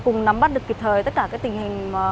cùng nắm bắt được kịp thời tất cả các tình hình